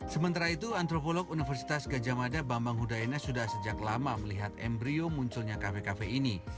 sementara itu antrokolog universitas gajah mada bambang hudaina sudah sejak lama melihat embryo munculnya kafe kafe ini